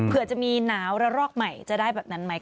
เผื่อจะมีหนาวระลอกใหม่จะได้แบบนั้นไหม